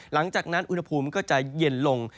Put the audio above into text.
หลังจากนั้นอุณหภูมิก็จะเย็นลง